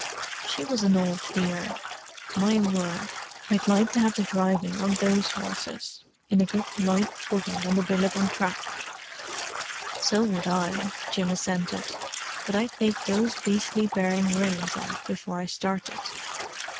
"She was an old dear. My word, I'd like to have the driving of those horses—in a good light buggy on the Billabong track!" "So would I," Jim assented. "But I'd take those beastly bearing reins off before I started."